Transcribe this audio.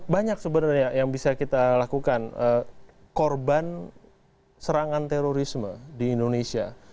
banyak sebenarnya yang bisa kita lakukan korban serangan terorisme di indonesia